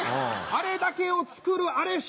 あれだけを作るあれ